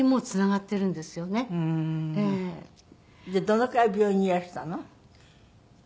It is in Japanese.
どのくらい病院にいらしたの？